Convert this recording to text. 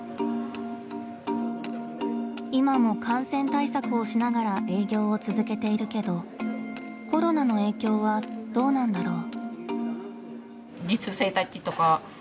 今も感染対策をしながら営業を続けているけどコロナの影響はどうなんだろう？